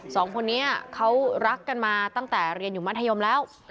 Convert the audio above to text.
สองคนนี้เขารักกันมาตั้งแต่เรียนอยู่มัธยมแล้ว